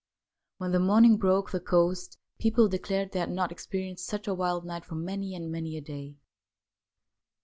When the morning broke the coast people declared they bad not experienced such a wild night for many and many a day.